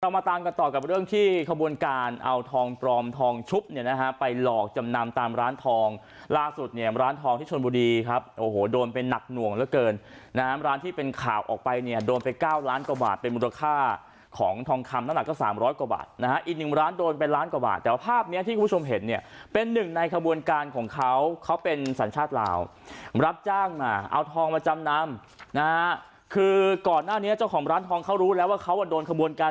เรามาตามกันต่อกับเรื่องที่ขบวนการเอาทองปลอมทองชุบเนี่ยนะฮะไปหลอกจำนำตามร้านทองล่าสุดเนี่ยร้านทองที่ชนบุรีครับโอ้โหโหโดนไปหนักหน่วงแล้วเกินนะฮะร้านที่เป็นข่าวออกไปเนี่ยโดนไปเก้าร้านกว่าบาทเป็นมูลค่าของทองคำน้ำหนักก็สามร้อยกว่าบาทนะฮะอีกหนึ่งร้านโดนไปล้านกว่าบาทแต่ว่าภาพ